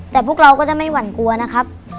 แต่พวกเราก็จะไม่หวั่นกลัวนะครับ